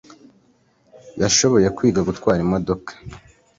Yashoboye kwiga gutwara imodoka.